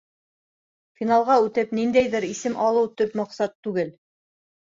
— Финалға үтеп, ниндәйҙер исем алыу төп маҡсат түгел.